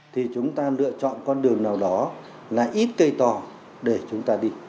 thì chúng ta lựa chọn con đường nào đó là ít cây to để chúng ta đi